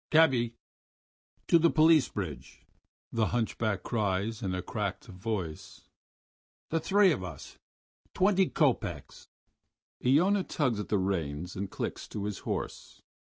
"Cabby, to the Police Bridge!" the hunchback cries in a cracked voice. "The three of us,... twenty kopecks!" Iona tugs at the reins and clicks to his horse.